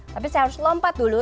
tapi saya harus lompat dulu